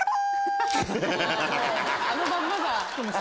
あのまんまだ。